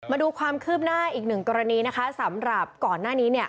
มาดูความคืบหน้าอีกหนึ่งกรณีนะคะสำหรับก่อนหน้านี้